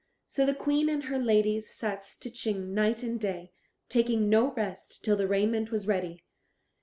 So the Queen and her ladies sat stitching night and day, taking no rest till the raiment was ready.